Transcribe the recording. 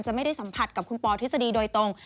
ไม่ได้สัมผัสกับคุณปอทฤษฎีโดยตรง